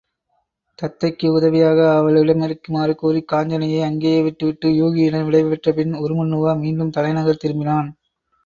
தத்தைக்கு உதவியாக அவளிடமிருக்குமாறு கூறிக் காஞ்சனையை அங்கேயே விட்டுவிட்டு யூகியிடம் விடைபெற்ற பின் உருமண்ணுவா மீண்டும் தலைநகர் திரும்பினான்.